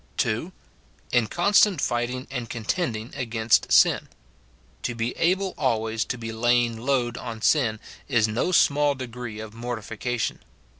(2.) In constant fighting and cotitending against sin. To be able always to be laying load on sin is no small degree of mortification.